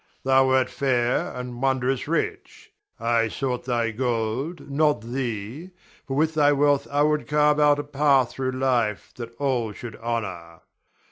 Thou wert fair and wondrous rich; I sought thy gold, not thee, for with thy wealth I would carve out a path through life that all should honor.